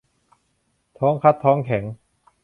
ท้องคัดท้องแข็ง